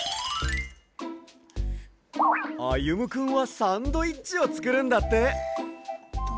あゆむくんはサンドイッチをつくるんだって。